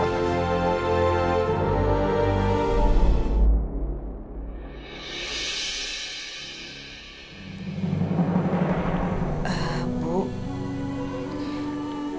gimana keadaan nombor ini